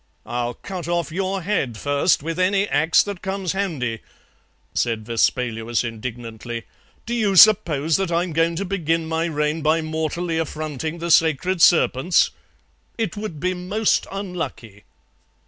"'I'll cut off your head first, with any axe that comes handy,' said Vespaluus indignantly; 'do you suppose that I'm going to begin my reign by mortally affronting the sacred serpents? It would be most unlucky.'